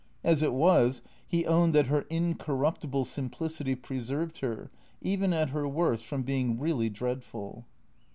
As it was, he owned that her incorruptible simplicity preserved her, even at her worst, from being really dreadful.